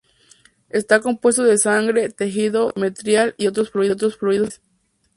Está compuesto de sangre, tejido endometrial y otros fluidos vaginales.